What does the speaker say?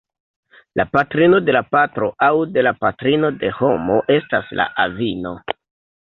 La patrino de la patro aŭ de la patrino de homo estas la avino.